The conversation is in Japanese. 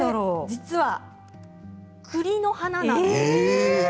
実は栗の花なんです。